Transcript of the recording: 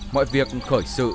mọi việc khởi sự